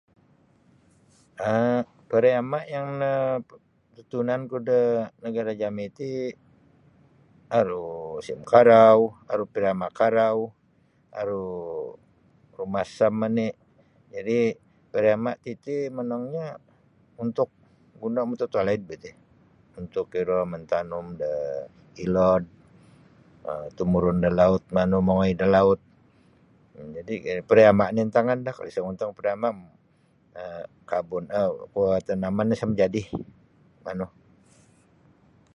um Pariama' yang natutunanku da negara' jami' ti aru musim karau aru pariama' karau aru rumasam oni' jadi' pariama' titi monongnyo untuk guna' mututuo laid biti untuk iro mantanum da ilod um tumurun da laut manu mongoi da laut um jadi' pariama' ni antangan do kalau isa mongontong pariama' kabun kuo tanaman no isa majadi manu.